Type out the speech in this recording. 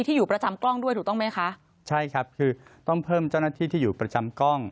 อยู่ประจำกล้องด้วยถูกต้องไหมคะใช่ครับคือต้องเพิ่มเจ้าหน้าที่ที่อยู่ประจำกล้อง